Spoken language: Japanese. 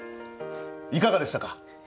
いかがでしたか？